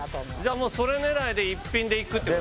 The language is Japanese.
もうそれ狙いで１品でいくってことですか？